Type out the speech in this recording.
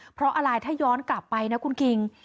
เพราะอะไรถ้าย้อนกลับไปนะคุณคิง